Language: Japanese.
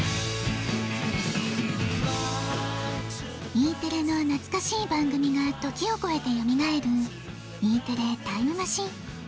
Ｅテレのなつかしい番組が時をこえてよみがえるＥテレタイムマシン。